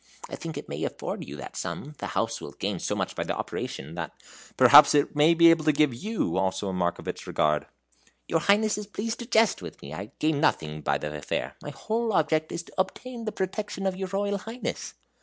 I think it may afford you that sum. The house will gain so much by the operation, that " "Perhaps it may be able to give YOU also a mark of its regard." "Your Highness is pleased to jest with me. I gain nothing by the affair. My whole object is to obtain the protection of your Royal Highness."